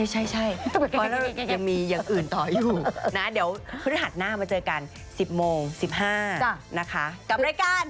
เพราะเกี่ยวแยกยังมีอย่างอื่นอยู่เดี๋ยวพิธรรมหน้ามาเจอกัน๑๐โมง๑๕โมงนะค้ะ